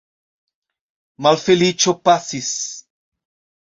Malfeliĉo pasis!